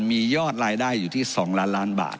มียอดรายได้อยู่ที่๒ล้านล้านบาท